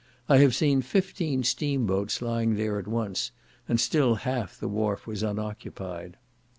I have seen fifteen steam boats lying there at once, and still half the wharf was unoccupied.